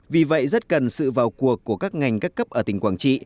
vì vậy rất cần sự vào cuộc của các ngành các cấp ở tỉnh quảng trị